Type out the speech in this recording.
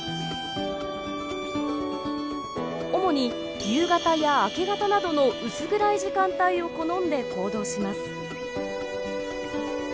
主に夕方や明け方などの薄暗い時間帯を好んで行動します。